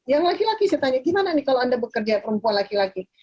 yang laki laki saya tanya gimana nih kalau anda bekerja perempuan laki laki